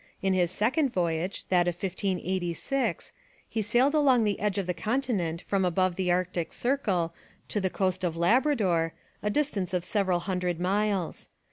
In his second voyage, that of 1586, he sailed along the edge of the continent from above the Arctic Circle to the coast of Labrador, a distance of several hundred miles.